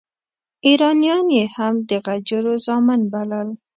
ایرانیان یې هم د غجرو زامن بلل.